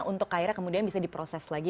untuk akhirnya kemudian bisa diproses lagi